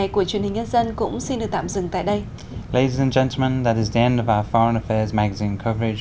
của chuyên hình nhân dân cũng xin được